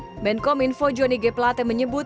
kemenkom info jonny g plate menyebut